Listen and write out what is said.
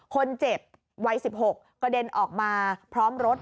คนเจ็บวัย๑๖กระเด็นออกมาพร้อมรถ